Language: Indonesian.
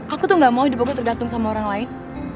aku tuh gak mau dipukul tergantung sama orang lain